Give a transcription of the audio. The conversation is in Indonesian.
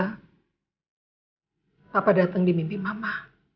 kenapa datang di mimpi mama